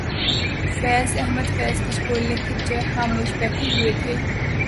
فیض احمد فیض کچھ بولنے کی بجائے خاموش بیٹھے ہوئے تھے